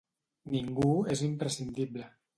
Ningú és imprescindible.